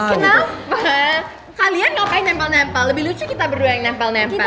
kenapa kalian gak apa apa nempel nempel lebih lucu kita berdua yang nempel nempel